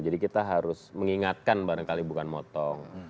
jadi kita harus mengingatkan barangkali bukan motong